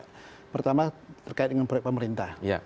terutama terkait dengan proyek pemerintah